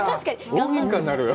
大げんかになるよ。